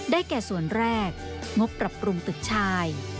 แก่ส่วนแรกงบปรับปรุงตึกชาย